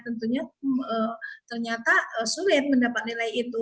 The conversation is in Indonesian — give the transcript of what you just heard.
tentunya ternyata sulit mendapat nilai itu